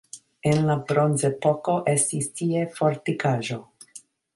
En la bronzepoko estis tie fortikaĵo.